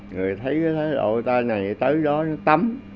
người thấy cái đội ta này tới đó nó tắm